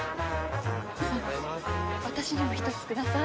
私にも１つください。